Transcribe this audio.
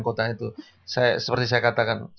kota itu seperti saya katakan